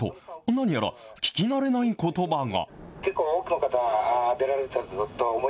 何やら聞き慣れないことばが。